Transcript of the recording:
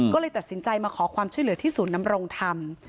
ก็เลยตัดสินใจมาขอความช่วยเหลือที่สุดนำรงทำ